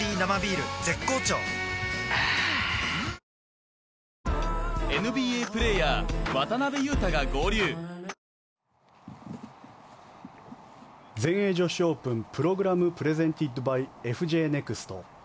絶好調あぁ全英女子オープンＰｒｏｇｒａｍｐｒｅｓｅｎｔｅｄｂｙＦＪネクスト。